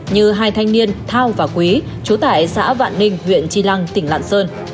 như hai thanh niên thao và quý chú tải xã vạn ninh huyện chi lăng tỉnh lạn sơn